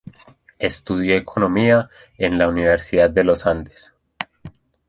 Estudió economía en la Universidad de los Andes.